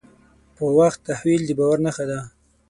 په وخت تحویل د باور نښه ده.